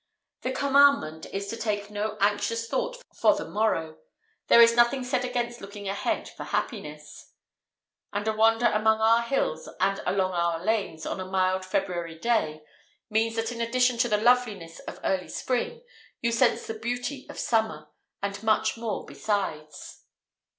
The commandment is to take no anxious thought for the morrow; there is nothing said against looking ahead for happiness. And a wander among our hills and along our lanes on a mild February day, means that in addition to the loveliness of early spring, you sense the beauty of summer—and much more besides.